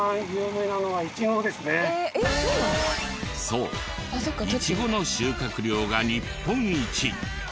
そうイチゴの収穫量が日本一！